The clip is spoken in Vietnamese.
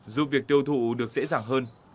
giúp việc tiêu thụ được dễ dàng hơn